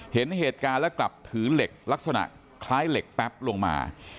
เห็นเหตุการณ์แล้วกลับถือเหล็กลักษณะคล้ายเหล็กแป๊บลงมา